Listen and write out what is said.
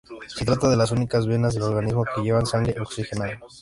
Se trata de las únicas venas del organismo que llevan sangre oxigenada.